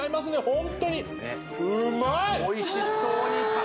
ホントにうまい！